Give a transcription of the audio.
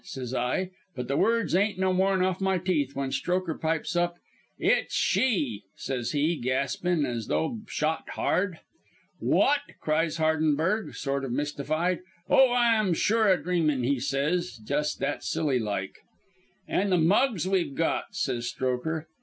says I; but the words ain't no more'n off my teeth when Strokher pipes up: "'It's she,' says he, gaspin' as though shot hard. "'Wot!' cries Hardenberg, sort of mystified, 'Oh, I'm sure a dreamin'! he says, just that silly like. "'An' the mugs we've got!' says Strokher.